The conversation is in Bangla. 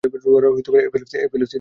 Rare epilepsy disorder.